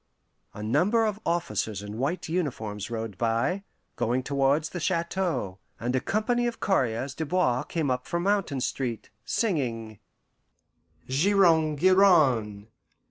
A number of officers in white uniforms rode by, going towards the chateau, and a company of coureurs de bois came up from Mountain Street, singing: "Giron, giran!